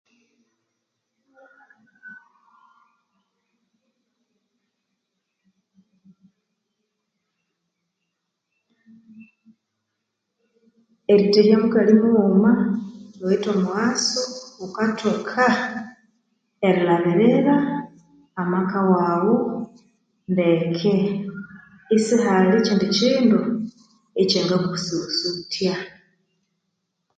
Erithahya mukali mughuma liwithe omughaso likaleka iwathoka erilabirira amaka waghu ndeke isihali kyindi kyindu kyangakusulhusutya